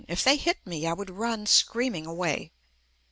If they hit me I would run screaming away.